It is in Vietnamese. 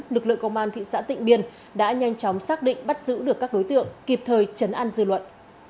lực lượng công an thị xã tịnh biên đã nhanh chóng xác định bắt giữ được các đối tượng kịp thời chấn an dư luận